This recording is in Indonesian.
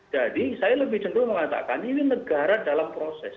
jadi saya lebih cenderung mengatakan ini negara dalam proses